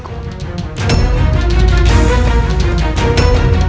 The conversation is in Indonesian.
aku akan menjadi istriku